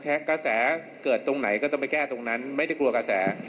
กระแสเกิดตรงไหนก็ต้องไปแก้ตรงนั้นไม่ได้กลัวกระแส